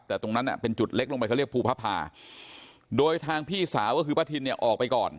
แต่ตรงนั้นเป็นจุดเล็กลงไปเขาเรียกภูพภาโดยทางพี่สาวก็คือป้าทินเนี่ยออกไปก่อน